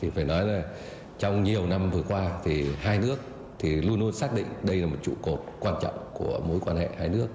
phải nói là trong nhiều năm vừa qua hai nước luôn luôn xác định đây là một trụ cột quan trọng của mối quan hệ hai nước